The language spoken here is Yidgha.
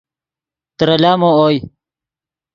ترے لامو اوئے